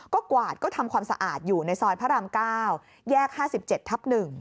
ก็กวาดก็ทำความสะอาดอยู่ในซอยพระราม๙แยก๕๗ทับ๑